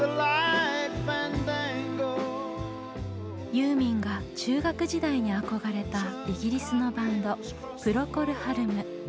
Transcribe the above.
ユーミンが中学時代に憧れたイギリスのバンド「プロコル・ハルム」。